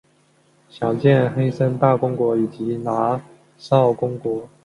详见黑森大公国以及拿绍公国。